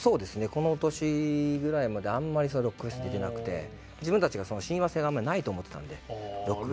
この年ぐらいまであんまりロックフェス出てなくて自分たちがその親和性があまりないと思ってたのでロックフェスに。